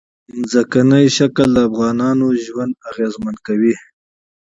ځمکنی شکل د افغانانو ژوند اغېزمن کوي.